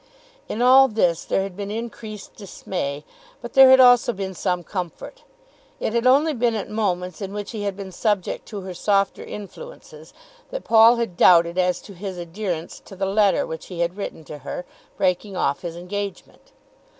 In all this there had been increased dismay, but there had also been some comfort. It had only been at moments in which he had been subject to her softer influences that Paul had doubted as to his adherence to the letter which he had written to her, breaking off his engagement.